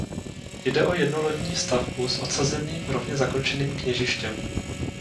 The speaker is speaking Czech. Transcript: Jde o jednolodní stavbu s odsazeným rovně zakončeným kněžištěm.